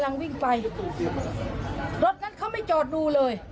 รดมันเขาไม่จอดดูเลย